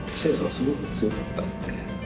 すごく強かったんで。